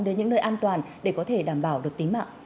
đến những nơi an toàn để có thể đảm bảo được tính mạng